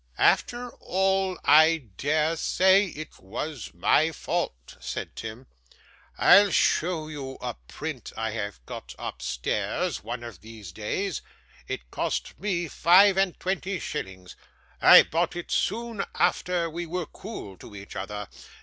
'After all, I dare say it was my fault,' said Tim. 'I'll show you a print I have got upstairs, one of these days. It cost me five and twenty shillings. I bought it soon after we were cool to each other.